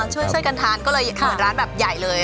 ช่วยกันทานก็เลยเปิดร้านแบบใหญ่เลย